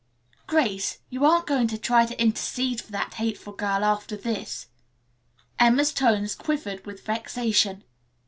"Grace, you aren't going to try to intercede for that hateful girl after this," Emma's tones quivered with vexation.